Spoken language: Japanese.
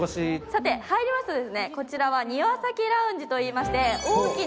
さて入りますと、こちらはニワサキラウンジといいます。